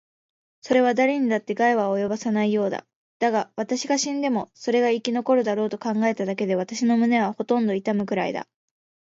それはだれにだって害は及ぼさないようだ。だが、私が死んでもそれが生き残るだろうと考えただけで、私の胸はほとんど痛むくらいだ。